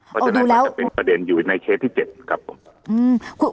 ก็จะเป็นประเด็นอยู่ในเคสที่๗ครับผม